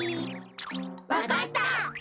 わかった！